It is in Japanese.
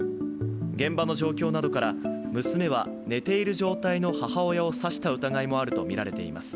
現場の状況などから娘は寝ている状態の母親を刺した疑いもあるとみられています。